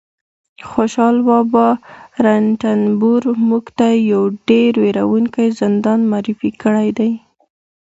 خوشحال بابا رنتنبور موږ ته یو ډېر وېروونکی زندان معرفي کړی دی